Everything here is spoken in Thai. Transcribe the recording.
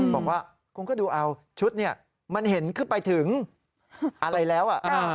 บอกว่าคุณก็ดูเอาชุดนี้มันเห็นขึ้นไปถึงอะไรแล้ว